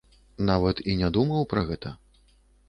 Нават і не думаў пра гэта.